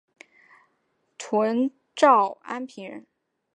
涿郡安平人。